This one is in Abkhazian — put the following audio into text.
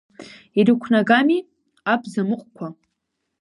Ирықәнагами, абзамыҟәқәа…